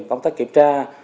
công tác kiểm tra